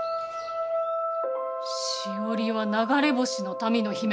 しおりは流れ星の民の姫。